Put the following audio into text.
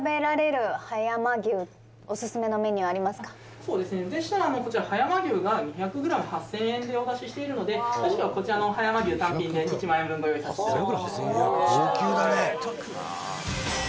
「そうですねでしたらこちら葉山牛が２００グラム８０００円でお出ししているのでよろしければこちらの葉山牛単品で１万円分ご用意させていただきます」